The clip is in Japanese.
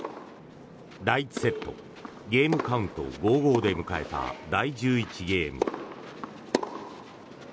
第１セットゲームカウント５−５で迎えた第１１ゲーム。